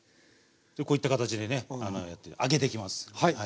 こういった形でね揚げていきます。